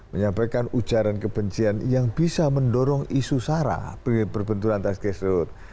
menyampaikan ujaran kebencian yang bisa mendorong isu sara berbenturan tas cashroud